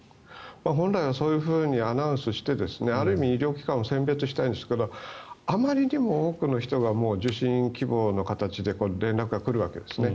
本来はそういうふうにアナウンスしてある意味、医療機関を選別したいんですがあまりにも多くの人が受診希望の形で連絡が来るわけですね。